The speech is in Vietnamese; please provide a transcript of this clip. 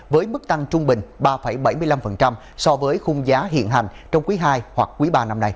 với mức tăng trung bình ba bảy mươi năm so với khung giá hiện hành trong quý ii